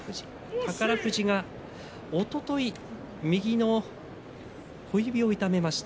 宝富士おととい右の小指を痛めました。